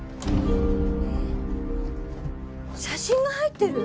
写真が入ってる！